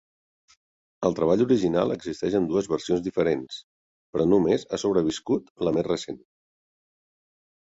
El treball original existeix en dues versions diferents, però només ha sobreviscut la més recent.